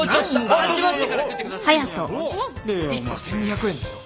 １個１，２００円ですよ。